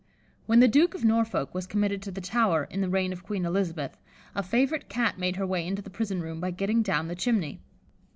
When the Duke of Norfolk was committed to the Tower, in the reign of Queen Elizabeth, a favourite Cat made her way into the prison room by getting down the chimney.